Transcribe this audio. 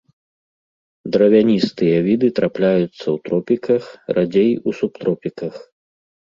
Дравяністыя віды трапляюцца ў тропіках, радзей у субтропіках.